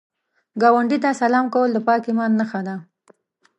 ګاونډي ته سلام کول د پاک ایمان نښه ده